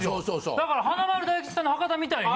だから華丸・大吉さんの博多みたいに。